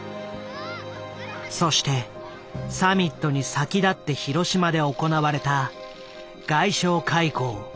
そしてサミットに先立って広島で行われた外相会合。